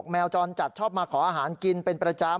แมวจรจัดชอบมาขออาหารกินเป็นประจำ